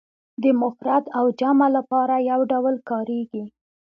د مفرد او جمع لپاره یو ډول کاریږي.